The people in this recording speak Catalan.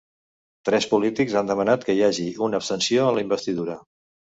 Tres polítics han demanat que hi hagi una abstenció en la investidura